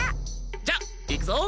じゃあいくぞ！